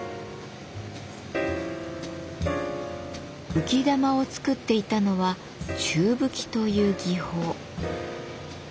浮き玉を作っていたのは宙吹きという技法。